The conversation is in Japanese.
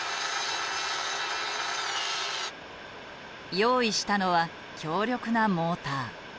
用意したのは強力なモーター。